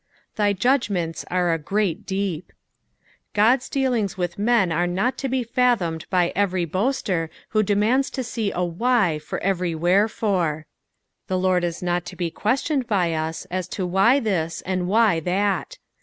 " I^y judgment* are a great deep." God's dealings with men are not to be fathomed by every boaster who demanda to aec a why for every wherefore. The Lord is not to be questioned b^ us as to why this and wby that.